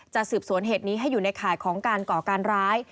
สืบสวนเหตุนี้ให้อยู่ในข่ายของการก่อการร้าย